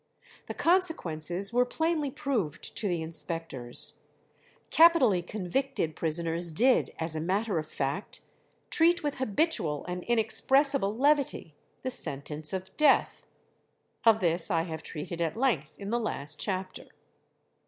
The consequences were plainly proved to the inspectors. Capitally convicted prisoners did, as a matter of fact, "treat with habitual and inexpressible levity the sentence of death." Of this I have treated at length in the last chapter.